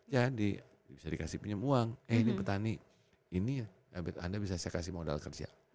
jadi bisa dikasih pinjam uang eh ini petani ini ya anda bisa kasih modal kerja